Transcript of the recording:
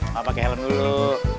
mama pakai helm dulu